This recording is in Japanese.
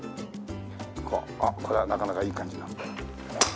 これはなかなかいい感じだ。